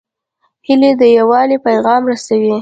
هیلۍ د یووالي پیغام رسوي